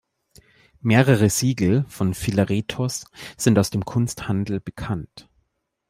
Mehrere Siegel von Philaretos sind aus dem Kunsthandel bekannt.